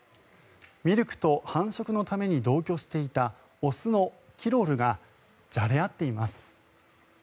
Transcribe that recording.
ミルクと、繁殖のために同居していた雄のキロルがじゃれ合っています。